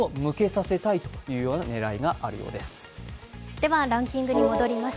ではランキングに戻ります。